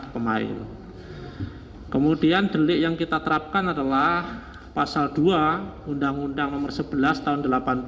pemain kemudian delik yang kita terapkan adalah pasal dua undang undang nomor sebelas tahun seribu sembilan ratus delapan belas